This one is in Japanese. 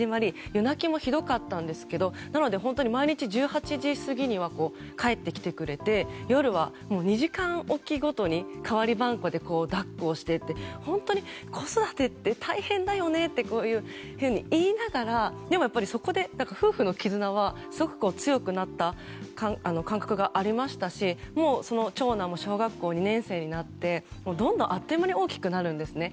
夜泣きもひどかったんですが毎日１８時過ぎには帰ってきてくれて夜は２時間おきごとに代わりばんこで抱っこをしてって本当に子育てって大変だよねと言いながらでも、そこで夫婦の絆はすごく強くなった感覚がありましたしその長男も小学校２年生になってどんどん、あっという間に大きくなるんですね。